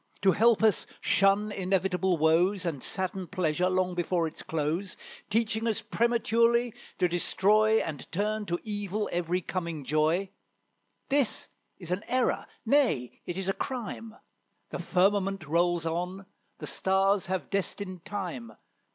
To help us shun inevitable woes, And sadden pleasure long before its close; Teaching us prematurely to destroy, And turn to evil every coming joy, This is an error, nay, it is a crime. The firmament rolls on, the stars have destined time.